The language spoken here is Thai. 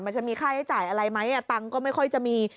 มันจะมีค่าใช้จ่ายอะไรไหมตังค์ก็ไม่ค่อยจะมี